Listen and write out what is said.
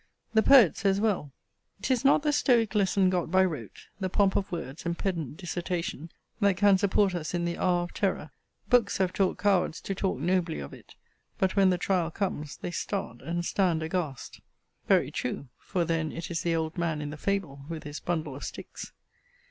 The poet says well: 'Tis not the stoic lesson, got by rote, The pomp of words, and pedant dissertation, That can support us in the hour of terror. Books have taught cowards to talk nobly of it: But when the trial comes, they start, and stand aghast. Very true: for then it is the old man in the fable, with his bundle of sticks.